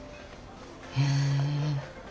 へえ。